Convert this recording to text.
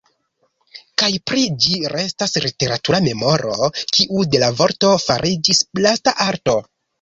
Kaj pri ĝi restas literatura memoro kiu de la vorto fariĝis plasta arto.